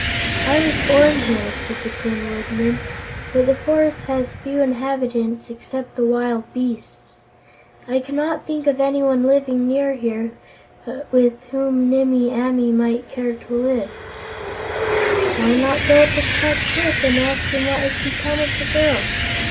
"I was born here," said the Tin Woodman, "but the forest has few inhabitants except the wild beasts. I cannot think of anyone living near here with whom Nimmie Amee might care to live." "Why not go to Ku Klip and ask him what has become of the girl?"